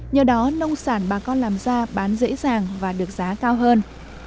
nhờ đó nông sản bà con làm ra bán dễ dàng và được giá cao hơn